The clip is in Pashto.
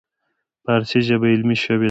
فارسي ژبه علمي شوې ده.